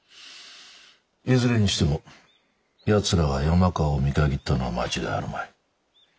いずれにしても奴らが山川を見限ったのは間違いあるまい。